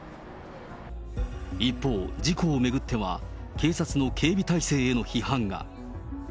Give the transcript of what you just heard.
一方、事故を巡っては、警察の警備態勢への批判が。